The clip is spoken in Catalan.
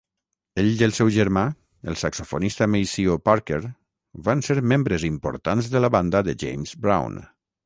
Ell i el seu germà, el saxofonista Maceo Parker, van ser membres importants de la banda de James Brown.